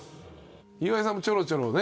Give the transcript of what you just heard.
岩井さんもちょろちょろね。